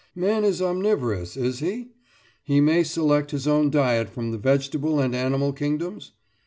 Man is "omnivorous," is he? He may select his own diet from the vegetable and animal kingdoms?